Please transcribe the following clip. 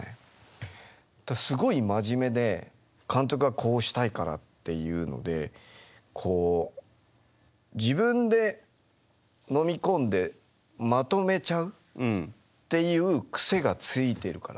すごい真面目で監督がこうしたいからっていうのでこう自分でのみ込んでまとめちゃうっていう癖がついているから。